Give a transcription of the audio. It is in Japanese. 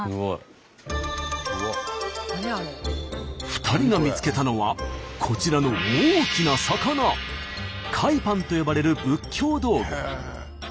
２人が見つけたのはこちらの大きな魚。と呼ばれる仏教道具。